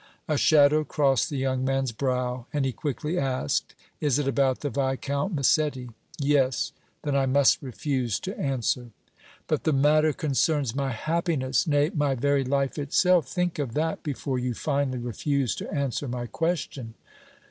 A shadow crossed the young man's brow, and he quickly asked: "Is it about the Viscount Massetti?" "Yes." "Then I must refuse to answer!" "But the matter concerns my happiness, nay, my very life itself; think of that before you finally refuse to answer my question!"